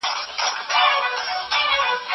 زه مخکي د کتابتوننۍ سره خبري کړي وو!!